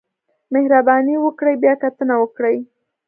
مهرباني وکړئ بیاکتنه وکړئ